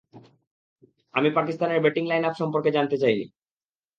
আমি পাকিস্তানের batting line up সম্পর্কে জানতে চাই নি।